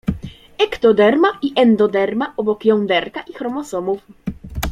Ektoderma i endoderma obok jąderka i chromosomów.